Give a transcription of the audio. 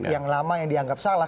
yang lama yang dianggap salah